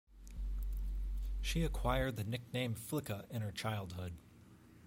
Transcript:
She acquired the nickname "Flicka" in her childhood.